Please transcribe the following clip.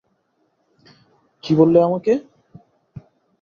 কী বললে আমাকে?